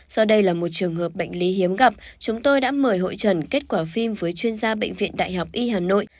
do đây là một trường hợp bệnh lý hiếm gặp chúng tôi đã mời hội trần kết quả phim với chuyên gia bệnh viện đại học y hà nội